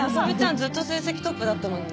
ずっと成績トップだったもんね。